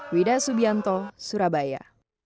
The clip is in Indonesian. widah subianto surabaya